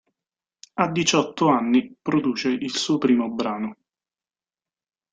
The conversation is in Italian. A diciotto anni produce il suo primo brano.